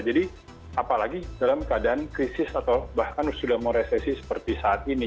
jadi apalagi dalam keadaan krisis atau bahkan sudah mau resesi seperti saat ini